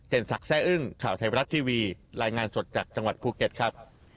ศักดิ์แซ่อึ้งข่าวไทยบรัฐทีวีรายงานสดจากจังหวัดภูเก็ตครับ